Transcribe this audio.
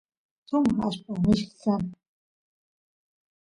sumaq allpa mishki kan